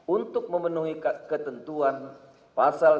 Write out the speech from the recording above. untuk memenuhi ketentuan pasal satu ratus lima puluh lima